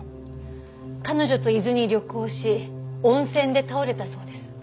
彼女と伊豆に旅行し温泉で倒れたそうです。